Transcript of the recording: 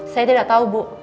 saya tidak tau bu